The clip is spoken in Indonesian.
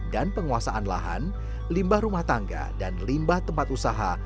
dan penguasaan lahan limbah rumah tangga dan limbah tempat usaha